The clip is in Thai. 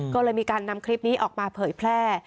ก็เลยมีการนำคลิปนี้ออกมาเผยแพร่